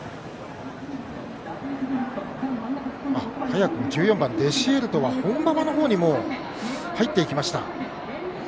早くも１４番デシエルトは本馬場のほうに入っていきました。